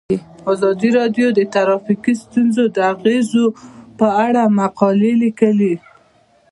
ازادي راډیو د ټرافیکي ستونزې د اغیزو په اړه مقالو لیکلي.